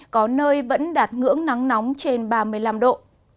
có nơi vẫn đạt ngưỡng nắng nóng trên ba mươi năm độ